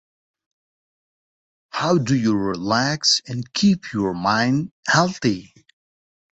How do you relax and keep your mind healthy?